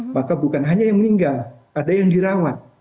maka bukan hanya yang meninggal ada yang dirawat